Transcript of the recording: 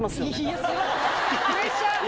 プレッシャー。